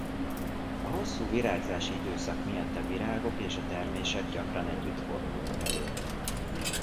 A hosszú virágzási időszak miatt a virágok és a termések gyakran együtt fordulnak elő.